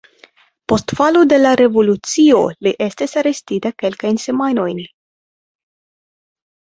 Post falo de la revolucio li estis arestita kelkajn semajnojn.